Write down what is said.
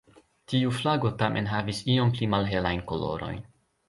Tiu flago tamen havis iom pli malhelajn kolorojn.